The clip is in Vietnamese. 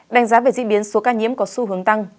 đã về diễn biến số ca nhiễm có xu hướng tăng